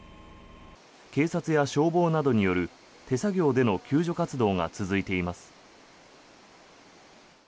警察や消防などによる手作業での救助活動が続いています。